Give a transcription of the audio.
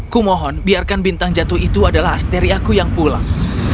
kumohon biarkan bintang jatuh itu adalah asteriaku yang pulang